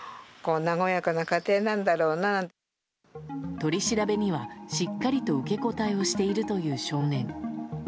取り調べには、しっかりと受け答えをしているという少年。